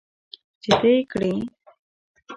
چې ته یې کرې .